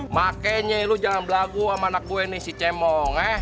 makanya lu jangan berlagu sama anak kue nih si cemong